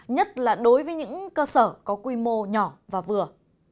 nhất là đối với những cơ sở có quy mô nhỏ và vừa